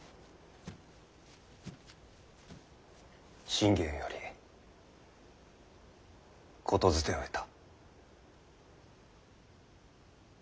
信玄より言づてを得た。